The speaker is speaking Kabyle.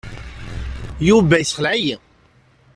Yuba yessexleɛ-iyi.